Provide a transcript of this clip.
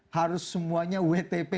harus semuanya wtp